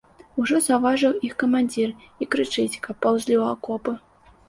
Ужо заўважыў іх камандзір і крычыць, каб паўзлі ў акопы.